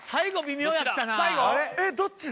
えどっちだ？